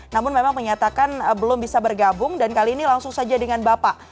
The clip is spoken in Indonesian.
namun memang menyatakan belum bisa bergabung dan kali ini langsung saja dengan bapak